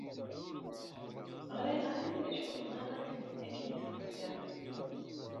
Ɣriɣ-ak-d acku bɣiɣ ad k-sseqsiɣ.